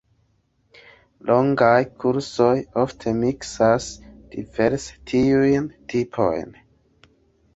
Longaj kursoj ofte miksas diverse tiujn tipojn.